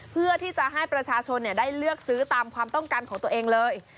เพื่อที่จะให้ประชาชนได้เลือกซื้อตามความต้องการของตัวเองเลย